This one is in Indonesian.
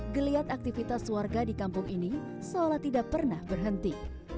geliat aktivitas warga di kampung ini seolah tidak pernah berhenti